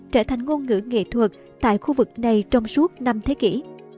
trở thành ngôn ngữ nghệ thuật tại khu vực này trong suốt năm thế kỷ